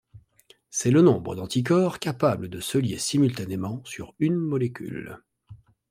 C’est le nombre d’anticorps capables de se lier simultanément sur une molécule.